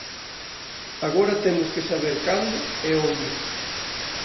Agora temos que saber cando e onde.